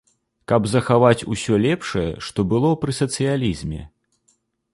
Каб захаваць усё лепшае, што было пры сацыялізме.